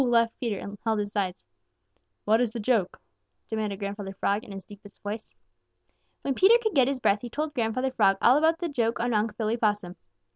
laughed Peter and held his sides. "What is the joke?" demanded Grandfather Frog in his deepest voice. When Peter could get his breath, he told Grandfather Frog all about the joke on Unc' Billy Possum.